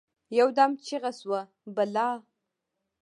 يودم چیغه شوه: «بلا!»